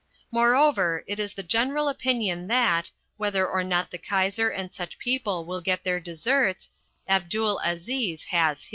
Moreover, it is the general opinion that, whether or not the Kaiser and such people will get their deserts, Abdul Aziz has his.